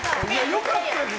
良かったですよ。